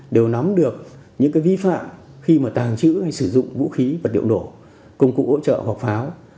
đều nắm được những cái vi phạm khi mà tàng trữ hay sử dụng vũ khí vật liệu nổ công cụ hỗ trợ hoặc pháo